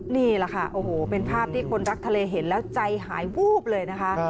นี่แหละค่ะโอ้โหเป็นภาพที่คนรักทะเลเห็นแล้วใจหายวูบเลยนะคะ